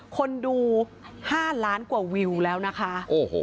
คนดู๕ล้านกว่าวิวแล้วนะคะ